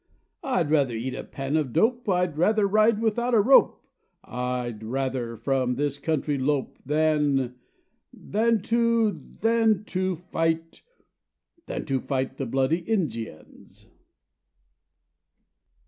I'd rather eat a pan of dope, I'd rather ride without a rope, I'd rather from this country lope, Than Than to Than to fight Than to fight the bloody In ji ans.